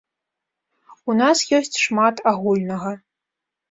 У нас ёсць шмат агульнага.